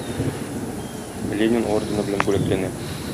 Ленин ордены белән бүләкләнә.